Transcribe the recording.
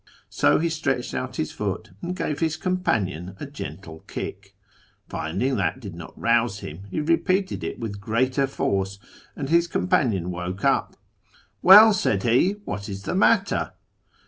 So he stretched out ds foot, and gave his companion a gentle kick. Finding that lid not rouse him, he repeated it with greater force, and his ompanion woke up. ' Well/ said he, ' what is the matter